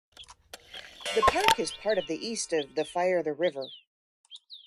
The park is part of the east of the Fire, the River.